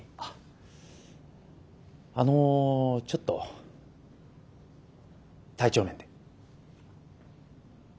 ああのちょっと体調面で。